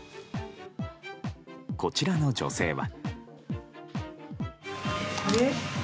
こちらの女性は。